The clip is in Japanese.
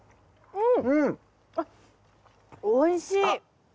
うん！